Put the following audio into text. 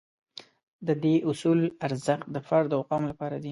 د دې اصول ارزښت د فرد او قوم لپاره دی.